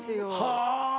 はぁ。